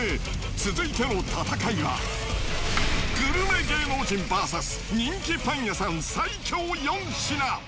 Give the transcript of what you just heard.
続いての戦いはグルメ芸能人ＶＳ人気パン屋さん最強４品。